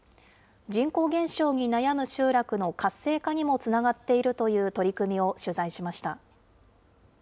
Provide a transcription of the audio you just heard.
人口減少に悩む集落の活性化にもつながっているという取り組みを取材しました。